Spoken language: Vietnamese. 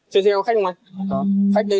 chở theo lệnh được đấy